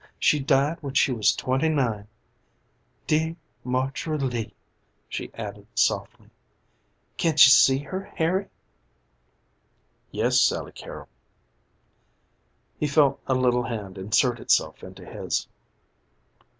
She died when she was twenty nine. Dear Margery Lee," she added softly. "Can't you see her, Harry?" "Yes, Sally Carrol." He felt a little hand insert itself into his.